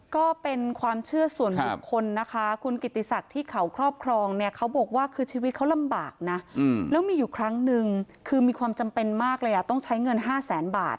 ก็เป็นความเชื่อส่วนบุคคลนะคะคุณกิติศักดิ์ที่เขาครอบครองเนี่ยเขาบอกว่าคือชีวิตเขาลำบากนะแล้วมีอยู่ครั้งนึงคือมีความจำเป็นมากเลยต้องใช้เงิน๕แสนบาท